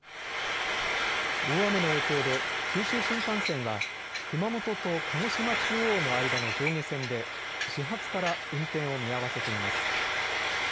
大雨の影響で九州新幹線は熊本と鹿児島中央の間の上下線で始発から運転を見合わせています。